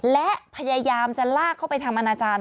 และพยายามจะลากเข้าไปทำอนาจารย์